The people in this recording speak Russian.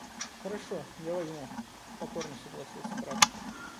— Хорошо, я возьму, — покорно согласился брат.